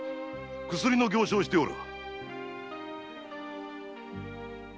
薬の行商をしておる。